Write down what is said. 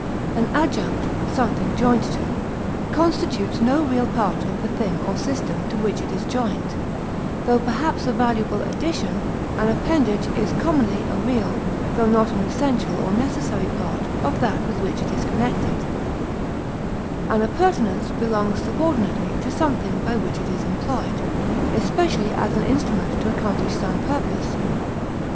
An adjunct (something joined to) constitutes no real part of the thing or system to which it is joined, tho perhaps a valuable addition; an appendage is commonly a real, tho not an essential or necessary part of that with which it is connected; an appurtenance belongs subordinately to something by which it is employed, especially as an instrument to accomplish some purpose.